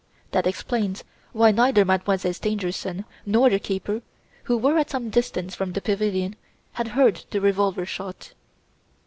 That explains why neither Monsieur Stangerson, nor the keeper, who were at some distance from the pavilion, had heard the revolver shot.